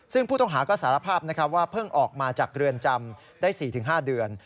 ซึ่งผู้ต้องหาก็สารภาพว่าเพิ่งออกมาจากเรือนจำได้๔๕เดือน